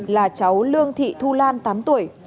là cháu lương thị thu lan tám tuổi